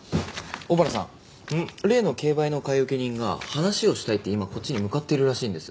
小原さん例の競売の買受人が話をしたいって今こっちに向かっているらしいんです。